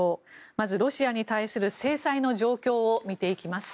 まず、ロシアに対する制裁の状況を見ていきます。